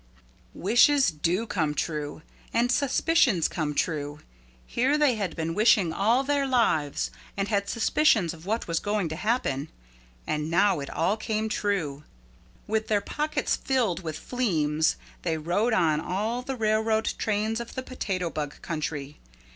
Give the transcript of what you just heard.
Wishes do come true. And suspicions do come true. Here they had been wishing all their lives, and had suspicions of what was going to happen, and now it all came true. With their pockets filled with fleems they rode on all the railroad trains of the Potato Bug Country.